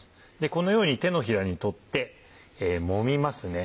このように手のひらに取ってもみますね。